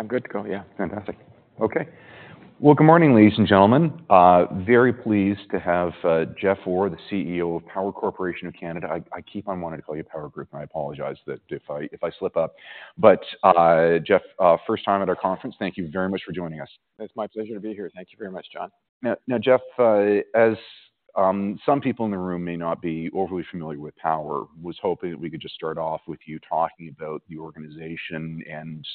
I'm good to go. Yeah, fantastic. Okay. Well, good morning, ladies and gentlemen. Very pleased to have Jeff Orr, the CEO of Power Corporation of Canada. I keep on wanting to call you Power Group, and I apologize that if I slip up. But, Jeff, first time at our conference, thank you very much for joining us. It's my pleasure to be here. Thank you very much, John. Now, now, Jeff, as some people in the room may not be overly familiar with Power, was hoping that we could just start off with you talking about the organization and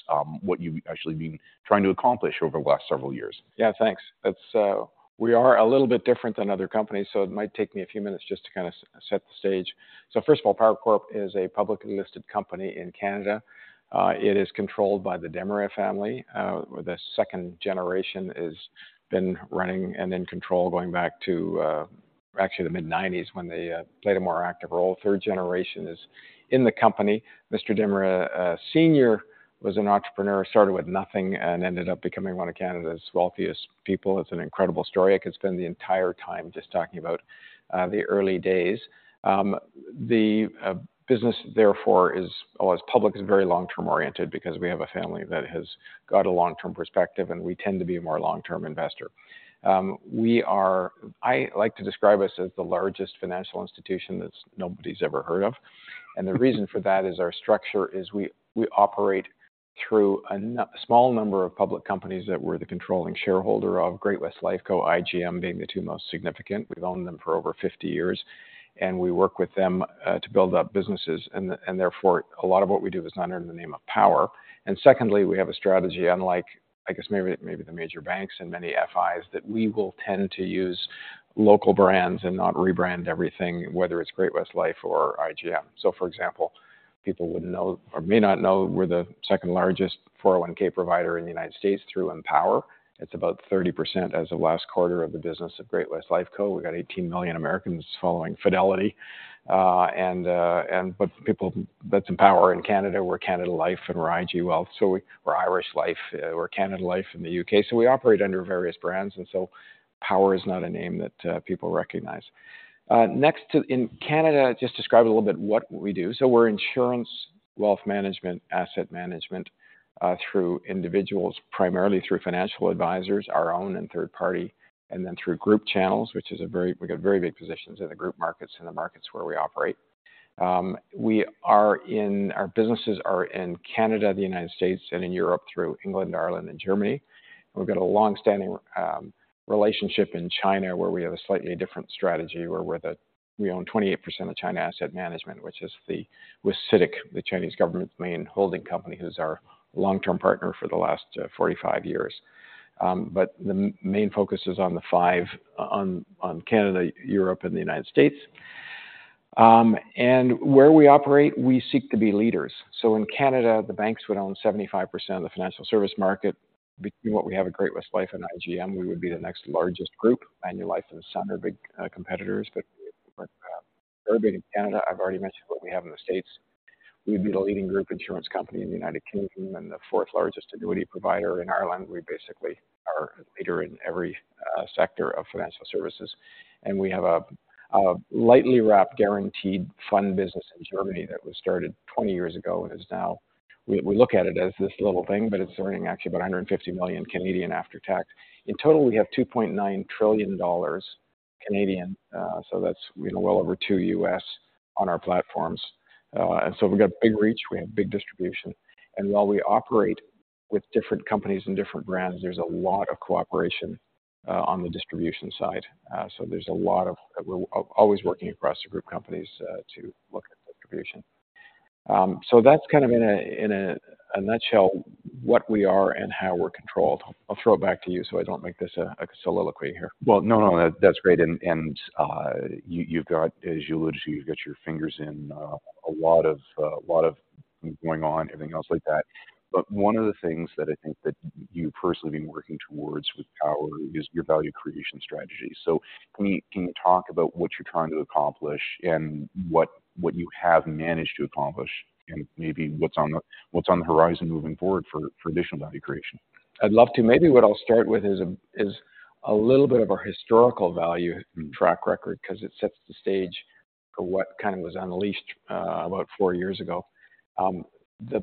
what you've actually been trying to accomplish over the last several years. Yeah, thanks. That's, we are a little bit different than other companies, so it might take me a few minutes just to kind of set the stage. So first of all, Power Corp is a publicly listed company in Canada. It is controlled by the Desmarais family, the second generation is been running and in control, going back to, actually the mid-1990s, when they played a more active role. Third generation is in the company. Mr. Desmarais senior was an entrepreneur, started with nothing and ended up becoming one of Canada's wealthiest people. It's an incredible story. I could spend the entire time just talking about the early days. The business, therefore is, well, is public, is very long-term oriented because we have a family that has got a long-term perspective, and we tend to be a more long-term investor. I like to describe us as the largest financial institution that nobody's ever heard of. And the reason for that is our structure, is we operate through a small number of public companies that we're the controlling shareholder of Great-West Lifeco, IGM being the two most significant. We've owned them for over 50 years, and we work with them to build up businesses, and therefore, a lot of what we do is not under the name of Power. And secondly, we have a strategy, unlike, I guess, maybe the major banks and many FIs, that we will tend to use local brands and not rebrand everything, whether it's Great-West Lifeco or IGM. So, for example, people wouldn't know or may not know, we're the second largest 401(k) provider in the United States through Empower. It's about 30% as of last quarter of the business of Great-West Lifeco. We've got 18 million Americans following Fidelity, and but people, that's Empower in Canada, we're Canada Life and IG Wealth, so we're Irish Life or Canada Life in the U.K. So we operate under various brands, and so Power is not a name that people recognize. Next to in Canada, just describe a little bit what we do. So we're insurance, wealth management, asset management, through individuals, primarily through financial advisors, our own and third party, and then through group channels, which is a very, we've got very big positions in the group markets and the markets where we operate. We are in, our businesses are in Canada, the United States, and in Europe, through England, Ireland, and Germany. We've got a long-standing relationship in China, where we have a slightly different strategy, where we're the, we own 28% of China Asset Management, which is the, with CITIC, the Chinese government's main holding company, who's our long-term partner for the last 45 years. But the main focus is on the five, on Canada, Europe, and the United States. And where we operate, we seek to be leaders. So in Canada, the banks would own 75% of the financial service market. Between what we have at Great-West Life and IGM, we would be the next largest group. Manulife and Sun are big competitors, but they're big in Canada. I've already mentioned what we have in the States. We'd be the leading group insurance company in the United Kingdom and the fourth largest annuity provider in Ireland. We basically are a leader in every sector of financial services. We have a lightly wrapped guaranteed fund business in Germany that was started 20 years ago and is now. We look at it as this little thing, but it's earning actually about 150 million after tax. In total, we have 2.9 trillion dollars, so that's, you know, well over $2 trillion on our platforms. So we've got big reach, we have big distribution, and while we operate with different companies and different brands, there's a lot of cooperation on the distribution side. So there's a lot of. We're always working across the group companies to look at distribution. So that's kind of in a nutshell, what we are and how we're controlled. I'll throw it back to you so I don't make this a soliloquy here. Well, no, no, that's great, and, and, you, you've got, as you alluded to, you've got your fingers in, a lot of, a lot of going on, everything else like that. But one of the things that I think that you've personally been working towards with Power is your value creation strategy. So can you, can you talk about what you're trying to accomplish and what, what you have managed to accomplish, and maybe what's on the, what's on the horizon moving forward for, for additional value creation? I'd love to. Maybe what I'll start with is a little bit of our historical value- Mm-hmm... track record, because it sets the stage for what kind of was unleashed about four years ago. The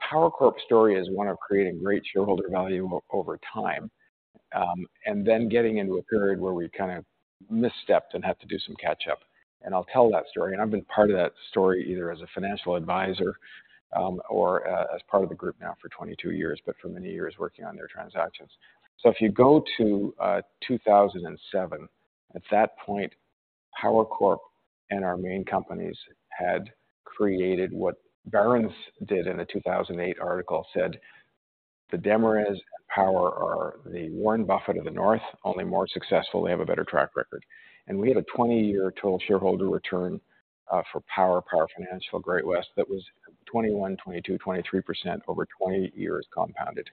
Power Corp story is one of creating great shareholder value over time, and then getting into a period where we kind of misstepped and had to do some catch up, and I'll tell that story, and I've been part of that story, either as a financial advisor, or as part of the group now for 22 years, but for many years working on their transactions. So if you go to 2007, at that point, Power Corp and our main companies had created what Barron's did in a 2008 article said, "The Desmarais Power are the Warren Buffett of the North, only more successful. They have a better track record." And we had a 20-year total shareholder return for Power, Power Financial, Great-West, that was 21%-23% over 20 years compounded.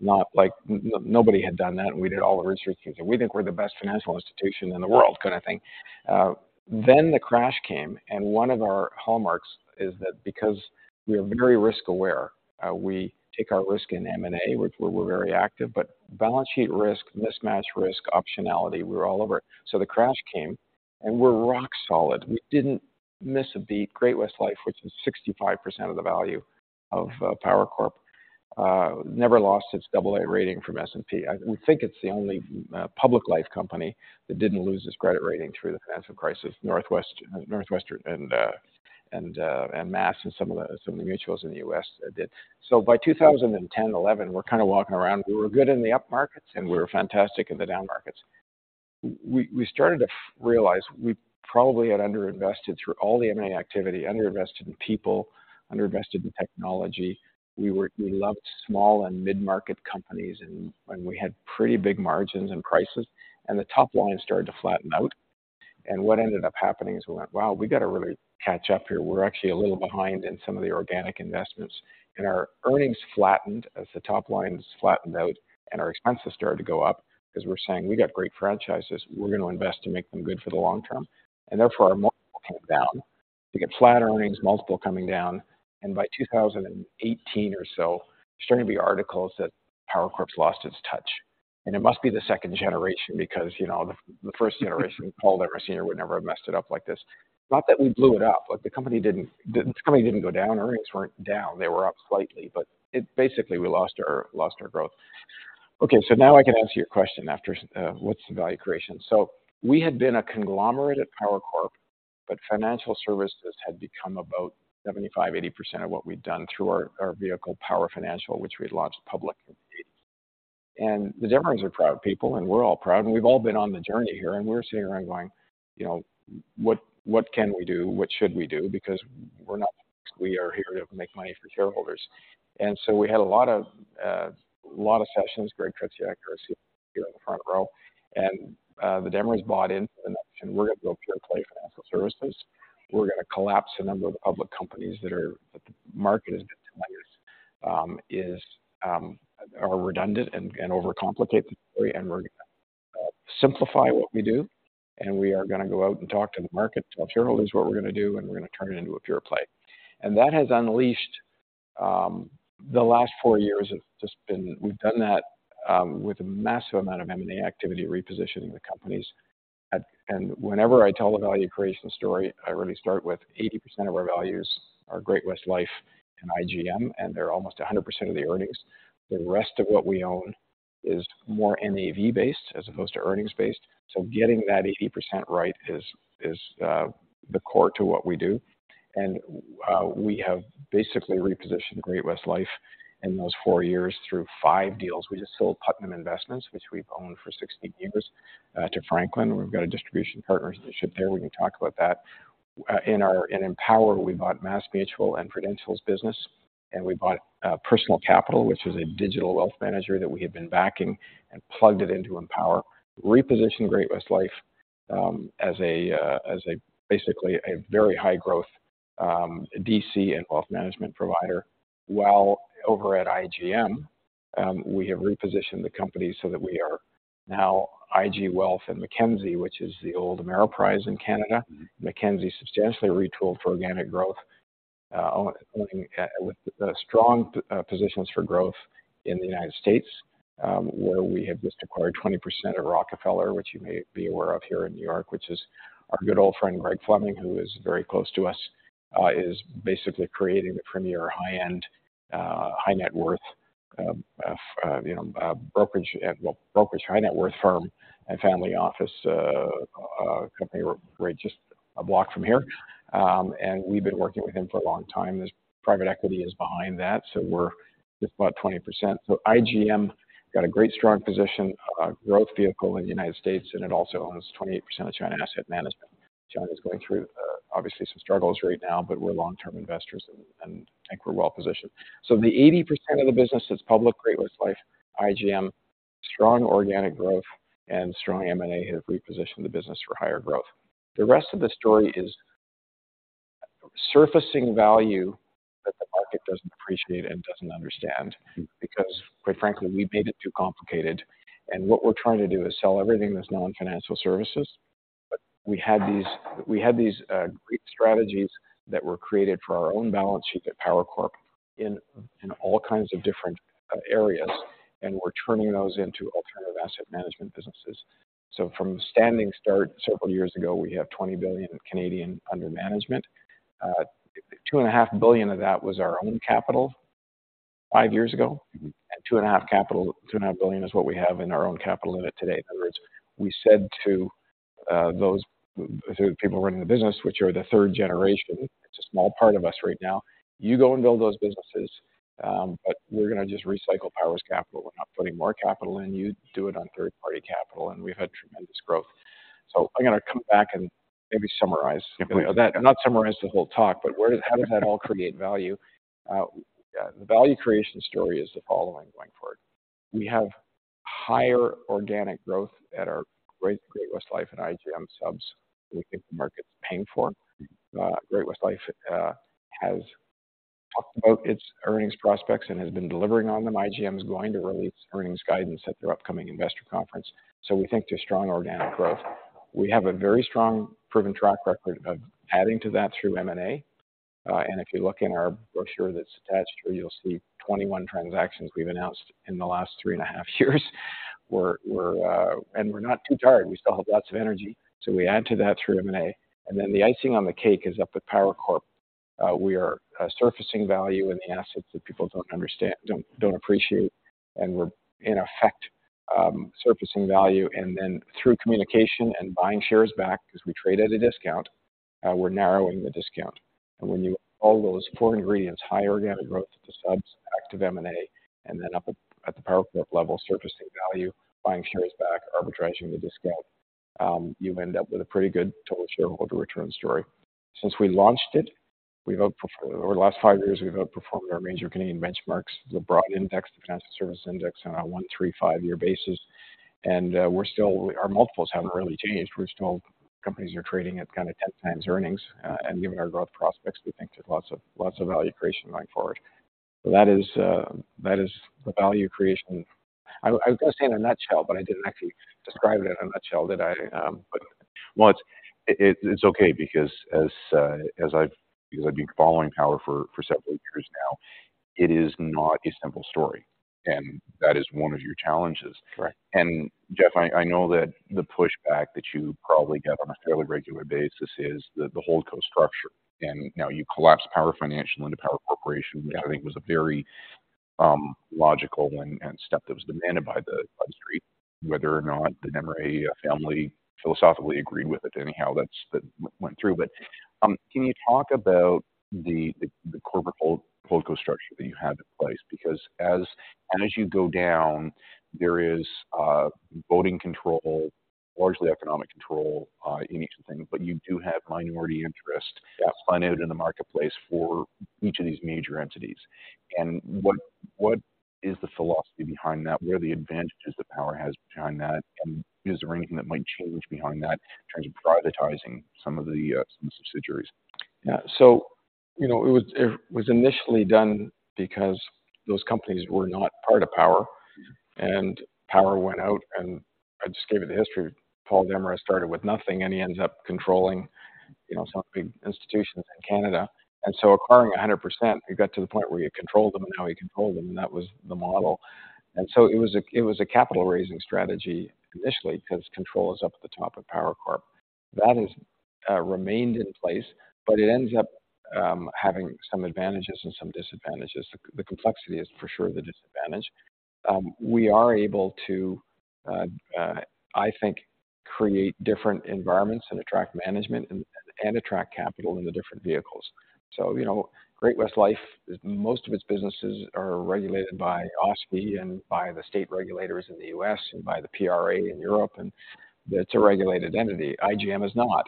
Nobody had done that, and we did all the research and said, "We think we're the best financial institution in the world," kind of thing. Then the crash came, and one of our hallmarks is that because we are very risk-aware, we take our risk in M&A, which we're very active, but balance sheet risk, mismatch risk, optionality, we're all over it. So the crash came, and we're rock solid. We didn't miss a beat. Great-West Life, which was 65% of the value of Power Corp, never lost its AA rating from S&P. We think it's the only public life company that didn't lose its credit rating through the financial crisis. Northwestern Mutual and MassMutual and some of the mutuals in the U.S. did. So by 2010, 2011, we're kind of walking around. We were good in the up markets, and we were fantastic in the down markets. We started to realize we probably had underinvested through all the M&A activity, underinvested in people, underinvested in technology. We loved small and mid-market companies, and we had pretty big margins and prices, and the top line started to flatten out. What ended up happening is we went, "Wow, we got to really catch up here. We're actually a little behind in some of the organic investments." And our earnings flattened as the top lines flattened out, and our expenses started to go up because we're saying: We got great franchises. We're going to invest to make them good for the long term. And therefore, our multiple came down. We get flat earnings, multiple coming down, and by 2018 or so, there's starting to be articles that Power Corp's lost its touch. And it must be the second generation because, you know, the, the first generation, Paul Desmarais Senior, would never have messed it up like this. Not that we blew it up, but the company didn't, the company didn't go down. Earnings weren't down. They were up slightly, but it basically, we lost our, lost our growth. Okay, so now I can answer your question after... What's the value creation? So we had been a conglomerate at Power Corp, but financial services had become about 75%-80% of what we'd done through our vehicle, Power Financial, which we'd launched public. The Desmarais are proud people, and we're all proud, and we've all been on the journey here, and we're sitting around going: You know, what can we do? What should we do? Because we are here to make money for shareholders. So we had a lot of sessions, great accuracy here in the front row. The Desmarais bought into the notion we're going to build pure play financial services. We're going to collapse a number of the public companies that are... That the market has determined is are redundant and overcomplicate the story. We're going to simplify what we do, and we are going to go out and talk to the market, tell shareholders what we're going to do, and we're going to turn it into a pure play. That has unleashed the last four years; it's just been, we've done that with a massive amount of M&A activity, repositioning the companies. And whenever I tell the value creation story, I really start with 80% of our values are Great-West Life and IGM, and they're almost 100% of the earnings. The rest of what we own is more NAV based, as opposed to earnings based. So getting that 80% right is the core to what we do. And we have basically repositioned Great-West Life in those four years through five deals. We just sold Putnam Investments, which we've owned for 16 years to Franklin, and we've got a distribution partnership there. We can talk about that. In our, in Empower, we bought MassMutual and Prudential's business, and we bought Personal Capital, which is a digital wealth manager that we had been backing, and plugged it into Empower. Repositioned Great-West Life as a basically a very high growth DC and wealth management provider. While over at IGM, we have repositioned the company so that we are now IG Wealth and Mackenzie, which is the old Ameriprise in Canada. Mackenzie substantially retooled for organic growth, owning with strong positions for growth in the United States, where we have just acquired 20% of Rockefeller, which you may be aware of here in New York. Which is our good old friend, Greg Fleming, who is very close to us, is basically creating the premier high-end, high net worth, you know, brokerage at, well, brokerage high net worth firm and family office, company. We're just a block from here, and we've been working with him for a long time. His private equity is behind that, so we're just about 20%. So IGM got a great, strong position, growth vehicle in the United States, and it also owns 28% of China Asset Management. China is going through, obviously some struggles right now, but we're long-term investors and, and I think we're well positioned. So the 80% of the business that's public, Great-West Life, IGM, strong organic growth and strong M&A, have repositioned the business for higher growth. The rest of the story is surfacing value that the market doesn't appreciate and doesn't understand, because quite frankly, we made it too complicated. What we're trying to do is sell everything that's non-financial services. But we had these great strategies that were created for our own balance sheet at Power Corp in all kinds of different areas, and we're turning those into alternative asset management businesses. So from a standing start several years ago, we have 20 billion under management. Two and a half billion of that was our own capital five years ago. Mm-hmm. 2.5 billion is what we have in our own capital in it today. In other words, we said to those people running the business, which are the third generation; it's a small part of us right now. "You go and build those businesses, but we're going to just recycle Power's capital. We're not putting more capital in. You do it on third-party capital," and we've had tremendous growth. So I'm going to come back and maybe summarize. Yeah. Not summarize the whole talk, but where does - how does that all create value? Yeah, the value creation story is the following going forward: We have higher organic growth at our Great-West Life and IGM subs than we think the market's paying for. Great-West Life has talked about its earnings prospects and has been delivering on them. IGM is going to release earnings guidance at their upcoming investor conference, so we think they're strong organic growth. We have a very strong, proven track record of adding to that through M&A. And if you look in our brochure that's attached here, you'll see 21 transactions we've announced in the last 3.5 years, we're not too tired. We still have lots of energy, so we add to that through M&A. Then the icing on the cake is up at Power Corp. We are surfacing value in the assets that people don't understand, don't appreciate, and we're in effect surfacing value. And then through communication and buying shares back, 'cause we trade at a discount, we're narrowing the discount. And when you, all those four ingredients, high organic growth to the subs, active M&A, and then up at the Power Corp level, surfacing value, buying shares back, arbitraging the discount, you end up with a pretty good total shareholder return story. Since we launched it, we've outperformed. Over the last five years, we've outperformed our major Canadian benchmarks, the broad index, the financial service index, on a one, three, five-year basis. And we're still. Our multiples haven't really changed. We're still, companies are trading at kind of 10x earnings. And given our growth prospects, we think there's lots of, lots of value creation going forward. So that is, that is the value creation. I was going to say in a nutshell, but I didn't actually describe it in a nutshell, did I? But- Well, it's okay because as I've, because I've been following Power for several years now, it is not a simple story, and that is one of your challenges. Correct. Jeff, I know that the pushback that you probably get on a fairly regular basis is the holdco structure. Now you collapsed Power Financial into Power Corporation- Yeah. -which I think was a very, logical and step that was demanded by the, by Street. Whether or not the Desmarais family philosophically agreed with it, anyhow, that's... That went through. But, can you talk about the corporate holdco structure that you have in place? Because as you go down, there is voting control, largely economic control, in each thing, but you do have minority interest- Yeah. That's planted in the marketplace for each of these major entities. And what, what is the philosophy behind that? What are the advantages that Power has behind that? And is there anything that might change behind that in terms of privatizing some of the, some subsidiaries? Yeah. So, you know, it was initially done because those companies were not part of Power, and Power went out, and I just gave you the history. Paul Desmarais started with nothing, and he ends up controlling, you know, some big institutions in Canada. And so acquiring 100%, it got to the point where you controlled them, and now he controlled them, and that was the model. And so it was a capital raising strategy initially, because control is up at the top of Power Corp. That has remained in place, but it ends up having some advantages and some disadvantages. The complexity is for sure the disadvantage. We are able to, I think, create different environments and attract management and attract capital in the different vehicles. So, you know, Great-West Life, most of its businesses are regulated by OSFI and by the state regulators in the U.S. and by the PRA in Europe, and it's a regulated entity. IGM is not.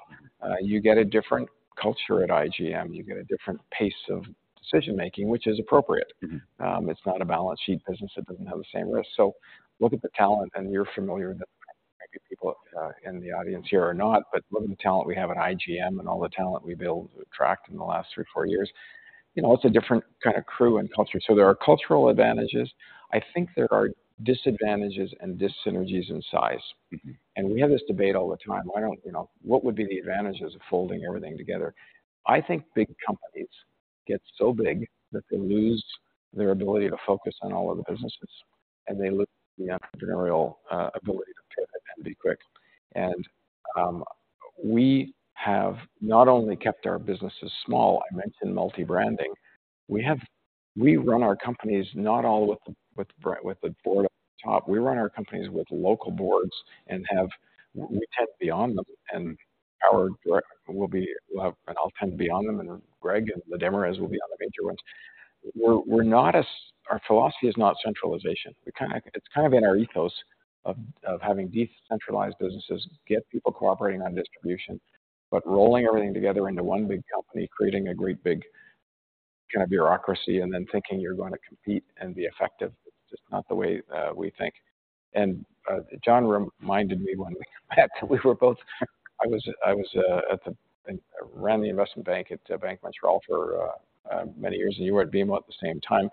You get a different culture at IGM. You get a different pace of decision-making, which is appropriate. Mm-hmm. It's not a balance sheet business. It doesn't have the same risk. So look at the talent, and you're familiar, maybe people in the audience here are not, but look at the talent we have at IGM and all the talent we've built, we've attracted in the last three, four years. You know, it's a different kind of crew and culture. So there are cultural advantages. I think there are disadvantages and dis-synergies in size. Mm-hmm. We have this debate all the time. Why don't, you know, what would be the advantages of folding everything together? I think big companies get so big that they lose their ability to focus on all of the businesses, and they lose the entrepreneurial ability to pivot and be quick. And we have not only kept our businesses small, I mentioned multi-branding, we have. We run our companies not all with the board at the top. We run our companies with local boards and have. We tend to be on them, and we'll be, we'll have. And I'll tend to be on them, and Greg and the Desmarais will be on the major ones. We're not as. Our philosophy is not centralization. We kind of. It's kind of in our ethos of having decentralized businesses, get people cooperating on distribution, but rolling everything together into one big company, creating a great big kind of bureaucracy, and then thinking you're going to compete and be effective, it's just not the way we think. John reminded me when we met that we were both. I was at the. I ran the investment bank at Bank of Montreal for many years, and you were at BMO at the same time.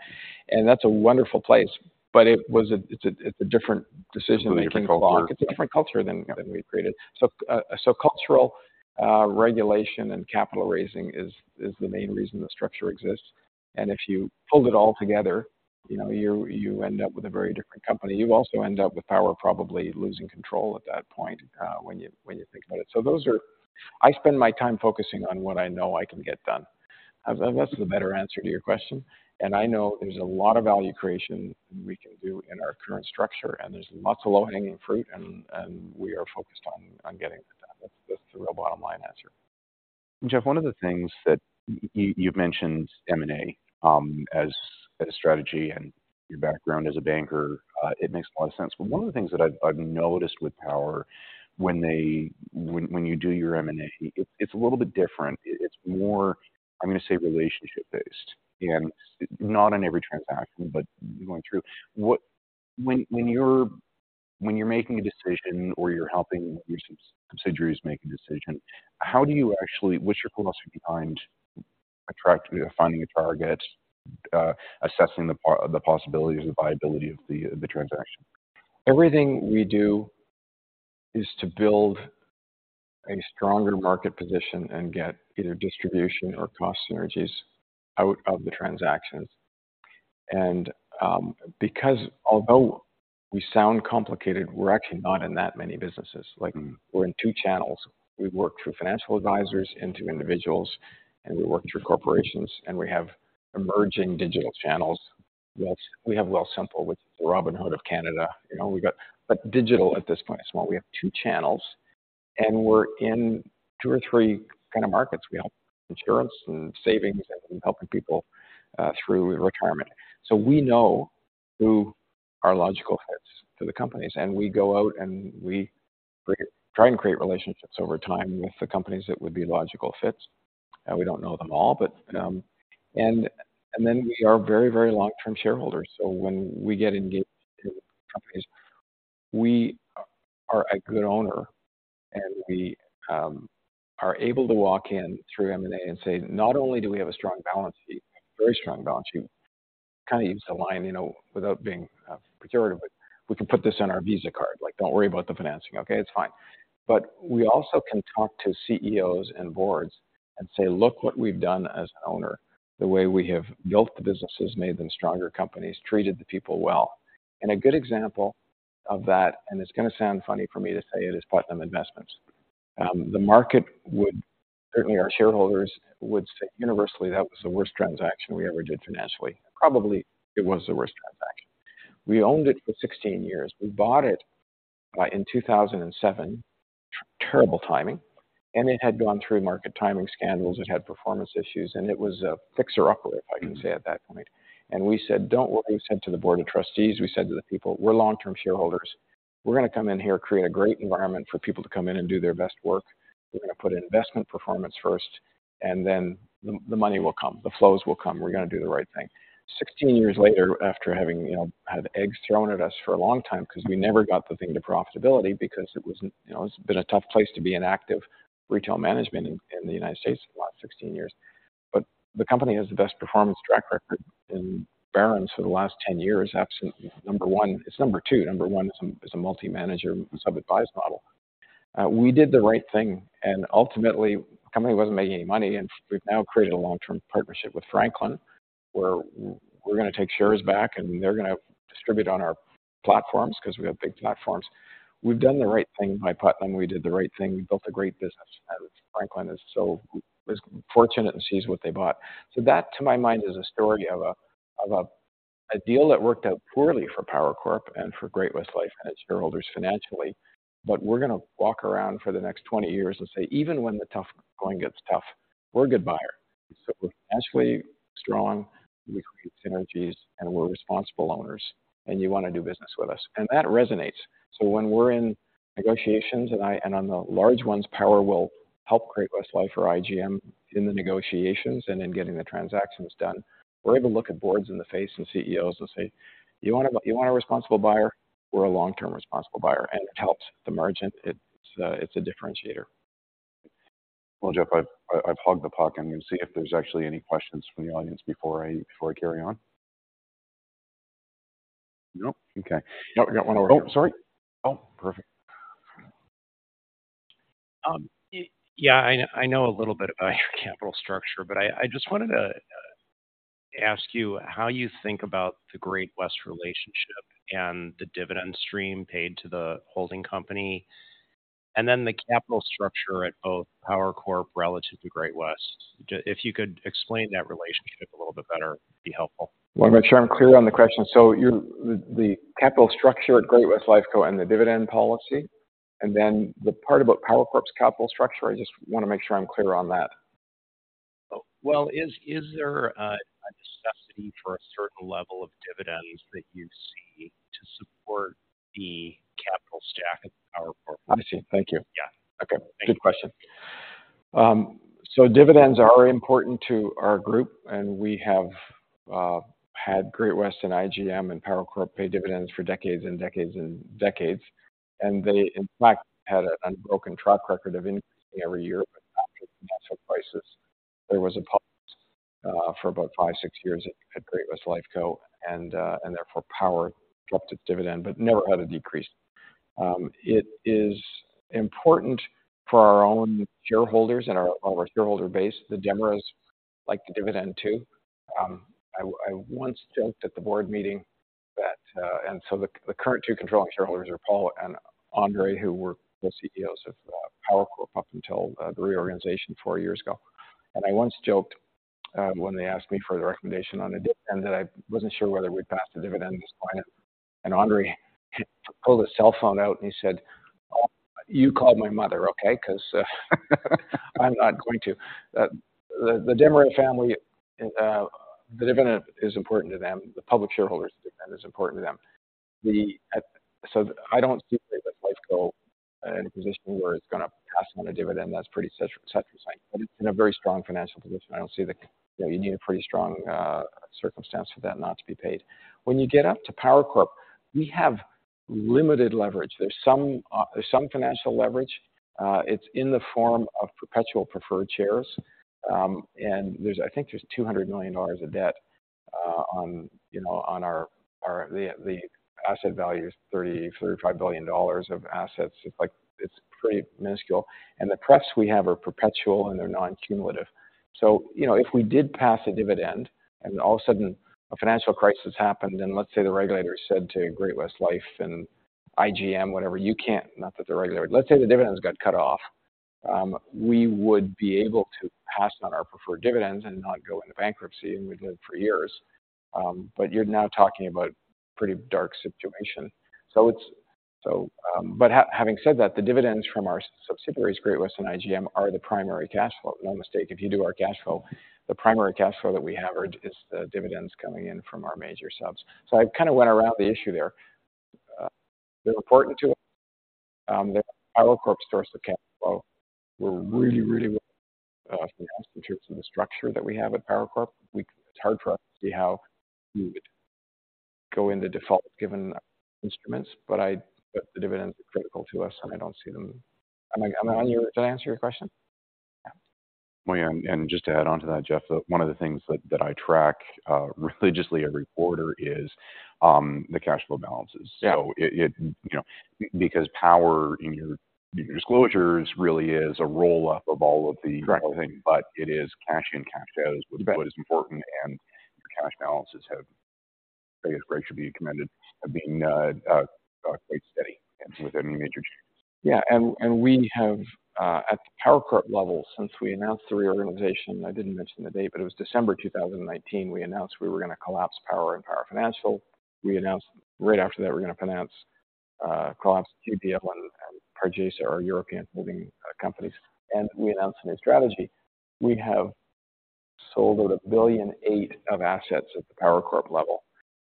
That's a wonderful place, but it was a. It's a, it's a different decision-making block. Different culture. It's a different culture than we've created. Yeah. So, cultural regulation and capital raising is, is the main reason the structure exists. And if you pulled it all together, you know, you end up with a very different company. You also end up with Power probably losing control at that point, when you think about it. So those are, I spend my time focusing on what I know I can get done. That's the better answer to your question, and I know there's a lot of value creation we can do in our current structure, and there's lots of low-hanging fruit, and we are focused on getting it done. That's the real bottom line answer. Jeff, one of the things that you've mentioned M&A as a strategy and your background as a banker, it makes a lot of sense. But one of the things that I've noticed with Power, when you do your M&A, it's a little bit different. It's more, I'm gonna say, relationship based, and not on every transaction, but going through. When you're making a decision or you're helping your subsidiaries make a decision, how do you actually, what's your philosophy behind attracting or finding a target, assessing the possibilities or the viability of the transaction? Everything we do is to build a stronger market position and get either distribution or cost synergies out of the transactions. Because although we sound complicated, we're actually not in that many businesses. Like, we're in two channels. We work through financial advisors and to individuals, and we work through corporations, and we have emerging digital channels. That's, we have Wealthsimple, which is the Robinhood of Canada. You know, we got but digital at this point as well. We have two channels, and we're in two or three kind of markets. We help insurance and savings, and we're helping people through retirement. So we know who are logical fits for the companies, and we go out, and we try and create relationships over time with the companies that would be logical fits. And we don't know them all, but... Then we are very, very long-term shareholders. So when we get engaged with companies, we are a good owner, and we are able to walk in through M&A and say, "Not only do we have a strong balance sheet, very strong balance sheet," kind of use the line, you know, without being pejorative, but we can put this on our Visa card. Like, don't worry about the financing, okay? It's fine. But we also can talk to CEOs and boards and say, "Look what we've done as an owner, the way we have built the businesses, made them stronger companies, treated the people well." A good example of that, and it's going to sound funny for me to say it, is Putnam Investments. The market would, certainly our shareholders, would say universally, that was the worst transaction we ever did financially. Probably it was the worst transaction. We owned it for 16 years. We bought it in 2007. Terrible timing, and it had gone through market timing scandals. It had performance issues, and it was a fixer-upper, if I can say, at that point. And we said, "Don't worry." We said to the board of trustees, we said to the people, "We're long-term shareholders. We're going to come in here, create a great environment for people to come in and do their best work. We're going to put investment performance first, and then the money will come, the flows will come. We're going to do the right thing." Sixteen years later, after having, you know, had eggs thrown at us for a long time because we never got the thing to profitability, because it was, you know, it's been a tough place to be in active retail management in the United States in the last 16 years. But the company has the best performance track record in Barron's for the last 10 years. Absolutely, number one. It's number two. Number one is a multi-manager, sub-advised model. We did the right thing, and ultimately, the company wasn't making any money, and we've now created a long-term partnership with Franklin, where we're going to take shares back, and they're going to distribute on our platforms because we have big platforms. We've done the right thing by Putnam. We did the right thing. We built a great business, and Franklin is so fortunate and sees what they bought. So that, to my mind, is a story of a deal that worked out poorly for Power Corp and for Great-West Life and its shareholders financially. But we're going to walk around for the next 20 years and say, "Even when the tough going gets tough, we're a good buyer. So we're naturally strong, we create synergies, and we're responsible owners, and you want to do business with us." And that resonates. So when we're in negotiations, And on the large ones, Power will help Great-West Life or IGM in the negotiations and in getting the transactions done. We're able to look at boards in the face and CEOs and say, "You want a, you want a responsible buyer? We're a long-term, responsible buyer." And it helps the merchant. It's, it's a differentiator. Well, Jeff, I've, I've hogged the puck, I'm going to see if there's actually any questions from the audience before I, before I carry on. Nope. Okay. Yep, we got one over here. Oh, sorry. Oh, perfect. Yeah, I know a little bit about your capital structure, but I just wanted to ask you how you think about the Great-West relationship and the dividend stream paid to the holding company, and then the capital structure at both Power Corp relative to Great-West. If you could explain that relationship a little bit better, it'd be helpful. Want to make sure I'm clear on the question. So you're, the capital structure at Great-West Lifeco and the dividend policy, and then the part about Power Corp's capital structure? I just want to make sure I'm clear on that. Well, is there a necessity for a certain level of dividends that you see to support the capital stack at Power Corp? I see. Thank you. Yeah. Okay. Thank you. Good question. So dividends are important to our group, and we have had Great-West, and IGM, and Power Corp pay dividends for decades and decades and decades. And they, in fact, had an unbroken track record of increasing every year, but after the financial crisis, there was a pause for about five to six years at Great-West Lifeco. And therefore, Power dropped its dividend, but never had a decrease. It is important for our own shareholders and our shareholder base. The Desmarais like the dividend, too. I once joked at the board meeting that. And so the current two controlling shareholders are Paul and André, who were the CEOs of Power Corp up until the reorganization four years ago. I once joked, when they asked me for the recommendation on the dividend, that I wasn't sure whether we'd pass the dividend at this point. André pulled his cell phone out, and he said, "You call my mother, okay? Because, I'm not going to." The Desmarais family, the dividend is important to them. The public shareholders, the dividend is important to them. So I don't see Great-West Lifeco in a position where it's going to pass on a dividend that's pretty set, et cetera. But it's in a very strong financial position. I don't see, you know, you need a pretty strong circumstance for that not to be paid. When you get up to Power Corp, we have limited leverage. There's some financial leverage. It's in the form of perpetual preferred shares. I think there's $200 million of debt, uh, on, you know, on our, the asset value is $30 million-$35 billion dollars of assets. It's like, it's pretty minuscule. And the pref's we have are perpetual, and they're non-cumulative. So, you know, if we did pass a dividend and all of a sudden a financial crisis happened, and let's say the regulator said to Great-West Life and IGM, whatever, "You can't" -- not that the regulator. Let's say the dividends got cut off. We would be able to pass on our preferred dividends and not go into bankruptcy, and we've done it for years. But you're now talking about a pretty dark situation. So it's, so, but having said that, the dividends from our subsidiaries, Great-West and IGM, are the primary cash flow. No mistake. If you do our cash flow, the primary cash flow that we have are, is the dividends coming in from our major subs. So I kind of went around the issue there. They're important to us. The Power Corp source of cash flow, we're really, really, from the attributes and the structure that we have at Power Corp, we—it's hard for us to see how we would go into default given instruments, but the dividends are critical to us, and I don't see them... Am I, am I on you? Did I answer your question? Well, yeah, and just to add on to that, Jeff, one of the things that I track religiously every quarter is the cash flow balances. Yeah. So it, you know, because Power in your disclosures really is a roll-up of all of the- Correct. but it is cash in, cash out. You bet. Is what is important, and your cash balances have, I guess, Greg should be commended of being quite steady and without any major changes. Yeah, and we have, at the Power Corp level, since we announced the reorganization, I didn't mention the date, but it was December 2019, we announced we were going to collapse Power and Power Financial. We announced right after that we're going to collapse GBL and Pargesa, our European holding companies, and we announced a new strategy. We have sold about $1.8 billion of assets at the Power Corp level,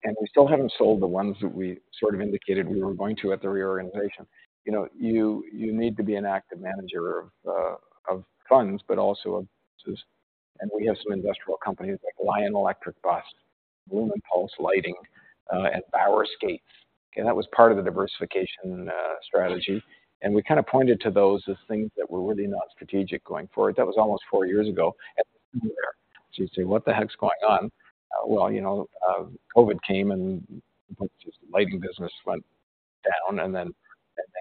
and we still haven't sold the ones that we sort of indicated we were going to at the reorganization. You know, you need to be an active manager of funds, but also of businesses. And we have some industrial companies like Lion Electric, Lumenpulse Lighting, and Bauer Skates. Okay, that was part of the diversification strategy. We kind of pointed to those as things that were really not strategic going forward. That was almost four years ago, and we're there. So you say, "What the heck's going on?" Well, you know, COVID came, and just the lighting business went down, and then,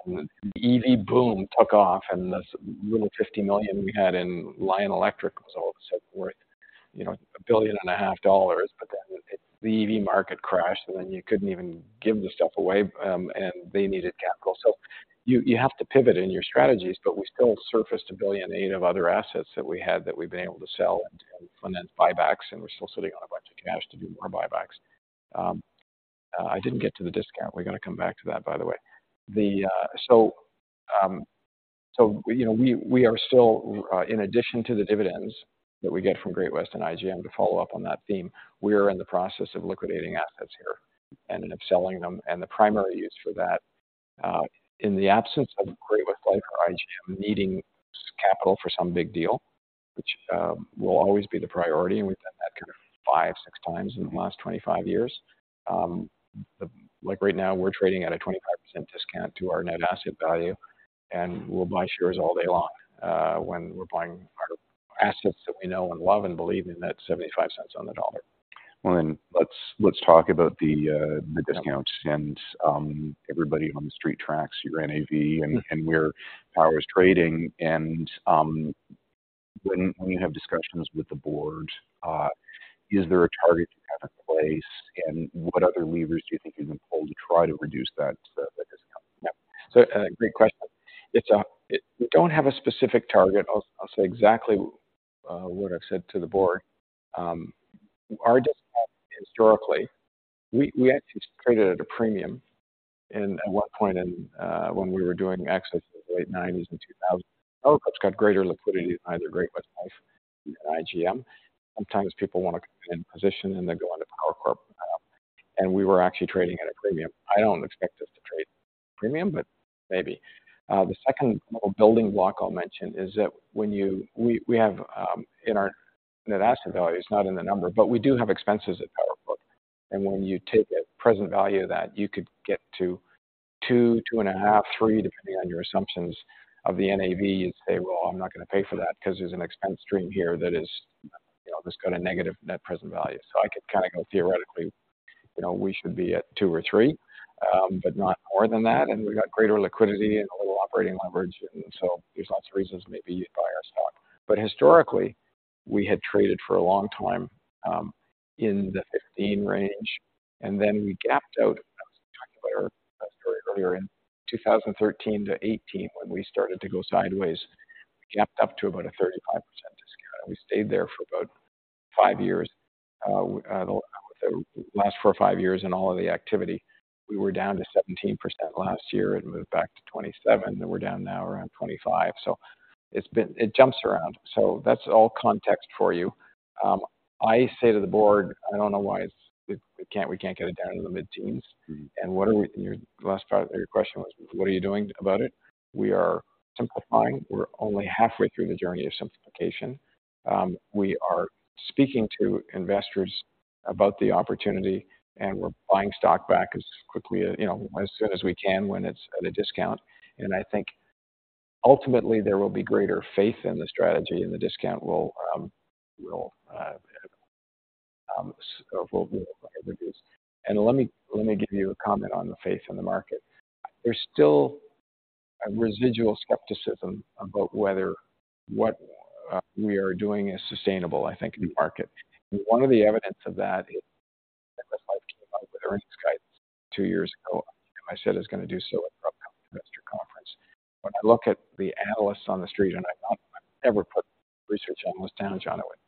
and then the EV boom took off, and this little $50 million we had in Lion Electric was all of a sudden worth, you know, $1.5 billion. But then it, the EV market crashed, and then you couldn't even give the stuff away, and they needed capital. So you, you have to pivot in your strategies, but we still surfaced $1.8 billion of other assets that we had that we've been able to sell and, and finance buybacks, and we're still sitting on a bunch of cash to do more buybacks. I didn't get to the discount. We're going to come back to that, by the way. You know, we are still in addition to the dividends that we get from Great-West and IGM, to follow up on that theme, we are in the process of liquidating assets here and of selling them. And the primary use for that, in the absence of Great-West Life or IGM needing capital for some big deal, which will always be the priority, and we've done that kind of 5x-6x in the last 25 years. Like, right now, we're trading at a 25% discount to our net asset value, and we'll buy shares all day long when we're buying our assets that we know and love and believe in at $0.75 cents on the dollar. Well, then, let's talk about the discounts- Yeah. - and, everybody on the street tracks your NAV- Mm-hmm. And where Power is trading. And when you have discussions with the board, is there a target you have in place? And what other levers do you think you can pull to try to reduce that, the discount? Yeah. So, great question. We don't have a specific target. I'll say exactly what I've said to the board. Our discount, historically, we actually traded at a premium, and at one point, when we were doing exits in the late 1990s and 2000s. Power Corp's got greater liquidity than either Great-West Life and IGM. Sometimes people want to come in position, and they go into Power Corp. And we were actually trading at a premium. I don't expect us to trade premium, but maybe. The second little building block I'll mention is that when we have in our net asset value, it's not in the number, but we do have expenses at Power Corp. And when you take a present value of that, you could get to 2, 2.5, 3, depending on your assumptions of the NAV and say, "Well, I'm not going to pay for that because there's an expense stream here that is, you know, that's got a negative net present value." So I could kind of go, theoretically, you know, we should be at 2 or 3, but not more than that. And we've got greater liquidity and a little operating leverage, and so there's lots of reasons maybe you'd buy our stock. But historically, we had traded for a long time in the 15 range, and then we gapped out. I was talking about our story earlier in 2013 to 2018 when we started to go sideways. We gapped up to about a 35% discount, and we stayed there for about five years. The last four or five years in all of the activity, we were down to 17%. Last year, it moved back to 27%, and we're down now around 25%. So it's been... It jumps around. So that's all context for you. I say to the board, I don't know why it's, we can't, we can't get it down in the mid-teens. Mm-hmm. Your last part of your question was, what are you doing about it? We are simplifying. We're only halfway through the journey of simplification. We are speaking to investors about the opportunity, and we're buying stock back as quickly, you know, as soon as we can, when it's at a discount. And I think ultimately there will be greater faith in the strategy, and the discount will reduce. Let me give you a comment on the faith in the market. There's still a residual skepticism about whether what we are doing is sustainable, I think, in the market. One of the evidence of that is, Great-West Life came out with earnings guidance two years ago, and I said I was going to do so at the upcoming investor conference. When I look at the analysts on the street, and I've not ever put research analysts down, John. I would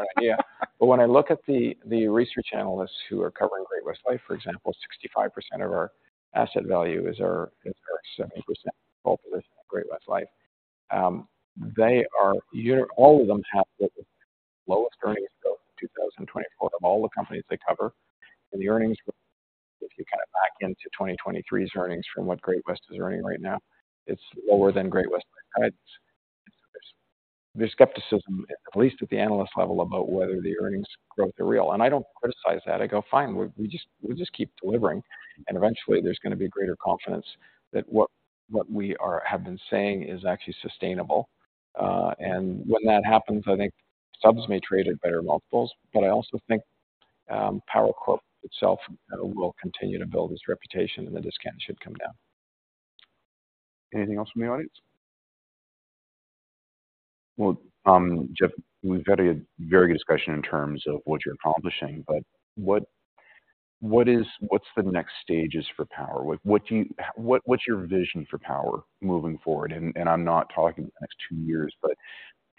not. Yeah. But when I look at the research analysts who are covering Great-West Life, for example, 65% of our asset value is our, is our 70% of Great-West Life. They are... You know, all of them have the lowest earnings growth in 2024 of all the companies they cover. And the earnings, if you kind of back into 2023's earnings from what Great-West Life is earning right now, it's lower than Great-West Life. There's skepticism, at least at the analyst level, about whether the earnings growth are real, and I don't criticize that. I go, "Fine, we just, we just keep delivering, and eventually there's going to be greater confidence that what, what we are—have been saying is actually sustainable." And when that happens, I think subs may trade at better multiples, but I also think, Power Corp itself will continue to build its reputation, and the discount should come down. Anything else from the audience? Well, Jeff, we've had a very good discussion in terms of what you're accomplishing, but what's the next stages for Power? What's your vision for Power moving forward? And I'm not talking the next two years, but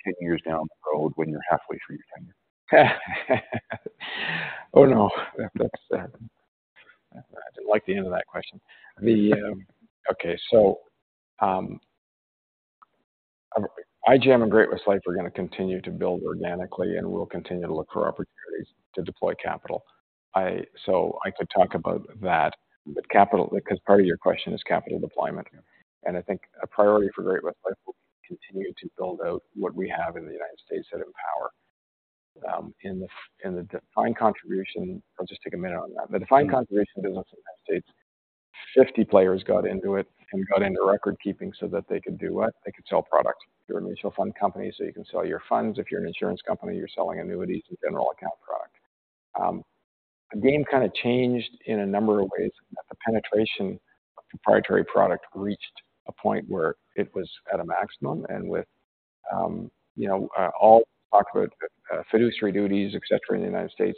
10 years down the road when you're halfway through your tenure. Oh, no, that's, I didn't like the end of that question. The, okay. So, IGM and Great-West Life are going to continue to build organically, and we'll continue to look for opportunities to deploy capital. So I could talk about that, but capital, because part of your question is capital deployment. And I think a priority for Great-West Life will continue to build out what we have in the United States that Empower, in the defined contribution. I'll just take a minute on that. The defined contribution business in the United States, 50 players got into it and got into record keeping so that they could do what? They could sell products. If you're a mutual fund company, so you can sell your funds. If you're an insurance company, you're selling annuities and general account product. The game kind of changed in a number of ways, that the penetration of proprietary product reached a point where it was at a maximum, and with, you know, all talk about, fiduciary duties, et cetera, in the United States,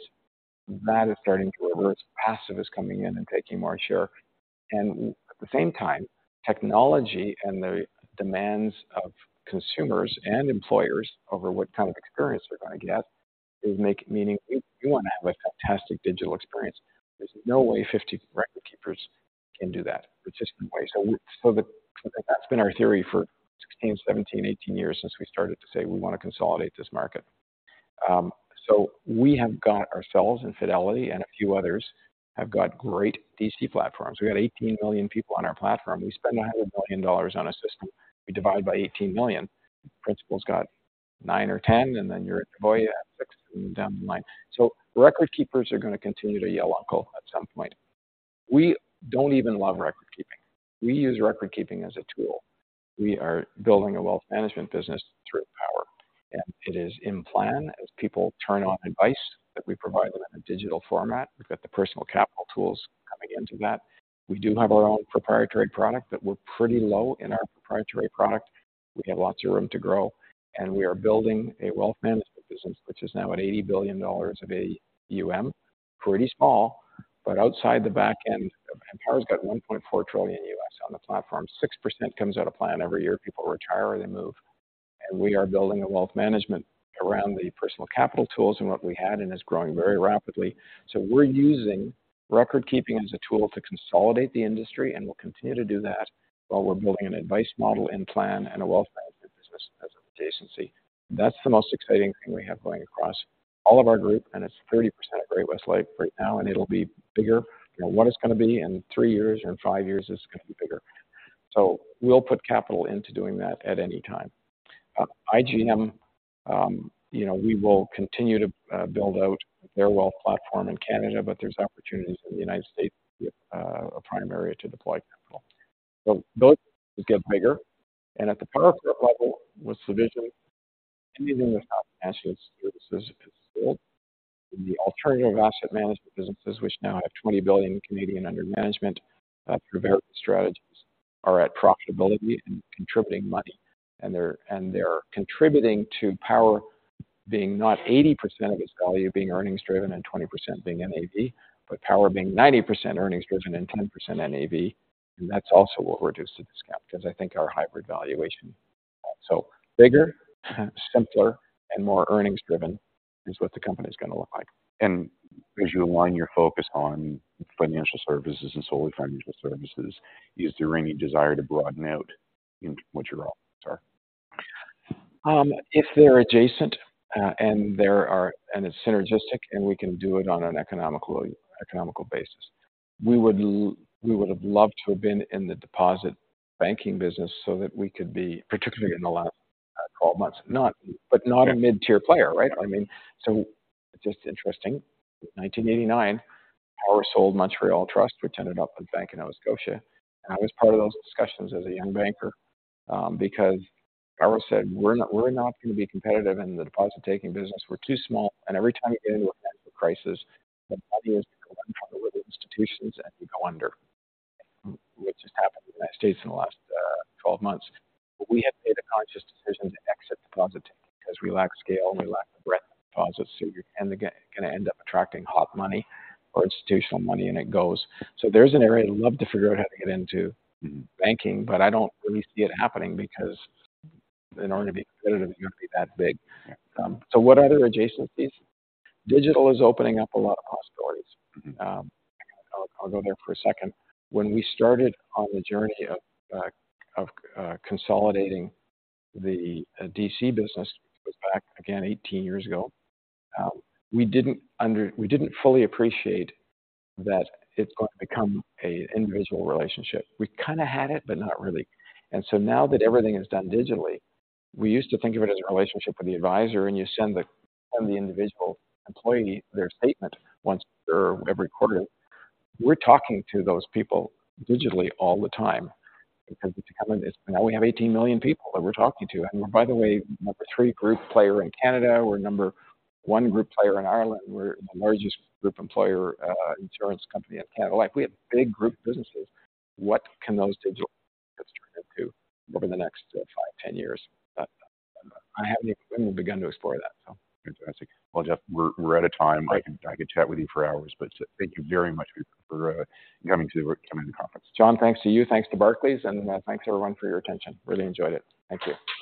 that is starting to reverse. Passive is coming in and taking more share. And at the same time, technology and the demands of consumers and employers over what kind of experience they're going to get is make meaning. We want to have a fantastic digital experience. There's no way 50 record keepers can do that. There's just no way. So that's been our theory for 16, 17, 18 years since we started to say we want to consolidate this market. So we have got ourselves and Fidelity and a few others have got great DC platforms. We have 18 million people on our platform. We spend $100 billion on a system. We divide by 18 million. Principal's got 9 million or 10 million, and then you're at Voya, at 6 million, and down the line. So record keepers are going to continue to yell uncle at some point. We don't even love record keeping. We use record keeping as a tool. We are building a wealth management business through Power, and it is in plan as people turn on advice that we provide them in a digital format. We've got the Personal Capital tools coming into that. We do have our own proprietary product, but we're pretty low in our proprietary product. We have lots of room to grow, and we are building a wealth management business, which is now at $80 billion of AUM. Pretty small, but outside the back end, and Power's got $1.4 trillion on the platform. 6% comes out of plan every year. People retire or they move. And we are building a wealth management around the Personal Capital tools and what we had, and it's growing very rapidly. So we're using record keeping as a tool to consolidate the industry, and we'll continue to do that while we're building an advice model in plan and a wealth management business as an adjacency. That's the most exciting thing we have going across all of our group, and it's 30% of Great-West Life right now, and it'll be bigger. You know, what it's going to be in three years or five years is going to be bigger. So we'll put capital into doing that at any time. IGM, you know, we will continue to build out their wealth platform in Canada, but there's opportunities in the United States, primarily to deploy capital. So those get bigger, and at the Power Corp level, what's the vision? Anything without financial services is sold. The alternative asset management businesses, which now have 20 billion under management through various strategies, are at profitability and contributing money. And they're contributing to Power being not 80% of its value being earnings driven and 20% being NAV, but Power being 90% earnings driven and 10% NAV. And that's also what reduced the discount, because I think our hybrid valuation. So bigger, simpler, and more earnings driven is what the company is going to look like. As you align your focus on financial services and solely financial services, is there any desire to broaden out in what your offerings are? If they're adjacent, and it's synergistic, and we can do it on an economical, economical basis. We would have loved to have been in the deposit banking business so that we could be, particularly in the last 12 months. But not a mid-tier player, right? I mean, so just interesting, in 1989, Power sold Montreal Trust, which ended up with Bank of Nova Scotia. And I was part of those discussions as a young banker, because Power said, "We're not, we're not going to be competitive in the deposit-taking business. We're too small, and every time we get into a financial crisis, the money is going to go out with the institutions, and we go under." Which has happened in the United States in the last 12 months. We had made a conscious decision to exit deposit taking because we lack scale, and we lack the breadth of deposits, so you're gonna end up attracting hot money or institutional money, and it goes. There's an area I'd love to figure out how to get into banking, but I don't really see it happening because in order to be competitive, you've got to be that big. What other adjacencies? Digital is opening up a lot of possibilities. Mm-hmm. I'll go there for a second. When we started on the journey of consolidating the DC business, which was back 18 years ago, we didn't fully appreciate that it's going to become an individual relationship. We kinda had it, but not really. And so now that everything is done digitally, we used to think of it as a relationship with the advisor, and you send the individual employee their statement once or every quarter. We're talking to those people digitally all the time because it's becoming... Now we have 18 million people that we're talking to, and we're, by the way, number three group player in Canada. We're number one group player in Ireland. We're the largest group employer insurance company in Canada. Like, we have big group businesses. What can those digital turn into over the next five, 10 years? But I haven't even begun to explore that, so. Fantastic. Well, Jeff, we're out of time. Right. I could chat with you for hours, but thank you very much for coming to the conference. John, thanks to you, thanks to Barclays, and thanks, everyone, for your attention. Really enjoyed it. Thank you.